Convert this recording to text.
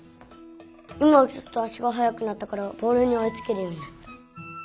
今はちょっとあしがはやくなったからボールにおいつけるようになった。